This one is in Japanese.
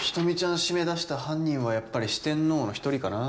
閉め出した犯人はやっぱり四天王の一人かな？